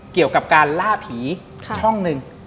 เกี่ยวกับการล่าผีช่องหนึ่ง